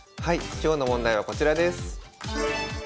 今日の問題はこちらです。